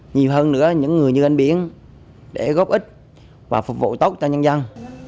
nhiều hơn nữa là những người như anh biển để góp ích và phục vụ tốt cho nhân dân